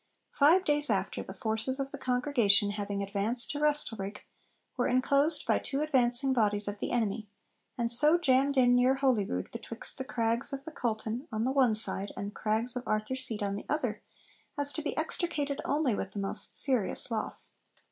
Five days after, the forces of the Congregation having advanced to Restalrig, were enclosed by two advancing bodies of the enemy, and so jammed in near Holyrood, between the crags of the Calton on the one side and the crags of Arthur Seat on the other, as to be extricated only with most serious loss.